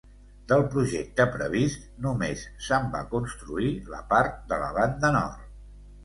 Del projecte previst només se'n va construir la part de la banda nord.